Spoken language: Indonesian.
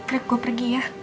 rick gue pergi ya